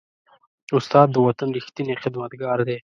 استاد د وطن ریښتینی خدمتګار دی.